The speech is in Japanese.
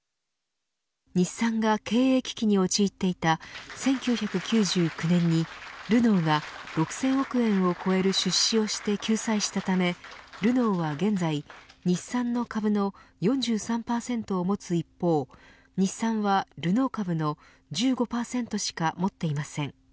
日産が経営危機に陥っていた１９９９年にルノーが６０００億円を超える出資をして救済したためルノーは現在、日産の株の４３％を持つ一方日産はルノー株の１５％しか持っていません。